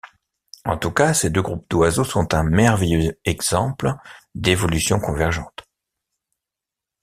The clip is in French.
En tout cas, ces deux groupes d'oiseaux sont un merveilleux exemple d'évolution convergente.